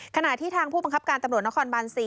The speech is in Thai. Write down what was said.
ขณะที่ทางผู้บังคับการตำรวจนครบาน๔